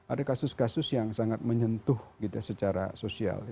ada kasus kasus yang sangat menyentuh secara sosial